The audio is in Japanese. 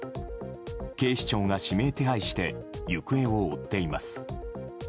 警視庁が指名手配して行方を追っています。